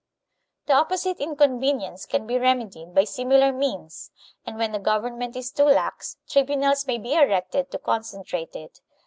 The opposite inconvenience can be remedied by similar means, and, when the government is too lax, tribunals may be erected to concentrate it.